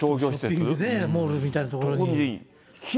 ショッピングモールみたいな所に。